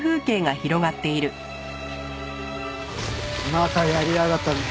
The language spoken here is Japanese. またやりやがったで。